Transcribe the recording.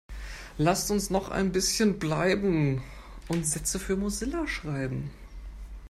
Lasst uns noch ein bisschen bleiben und Sätze für Mozilla schreiben.